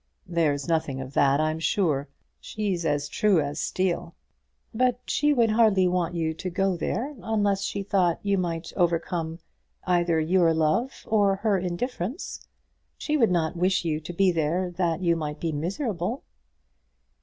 "There's nothing of that, I'm sure. She's as true as steel." "But she would hardly want you to go there unless she thought you might overcome either your love or her indifference. She would not wish you to be there that you might be miserable."